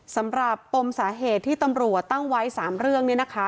สำหรับปมสาเหตุที่ตำรวจตั้งไว้๓เรื่องนี้นะคะ